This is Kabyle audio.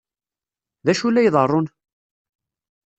D acu la iḍerrun?